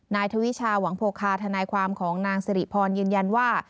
นายทวิชาหวังโพคาทนายความของนางสิริพรยืนยันว่า